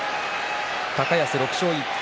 高安６勝１敗。